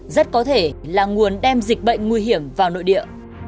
rất có thể là nguồn đem dịch bệnh nguy hiểm vào nội địa